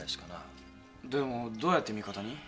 でもどうやって味方に？